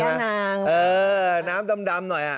นางเออน้ำดำหน่อยอ่ะ